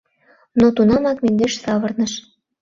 Но тунамак мӧҥгеш савырныш.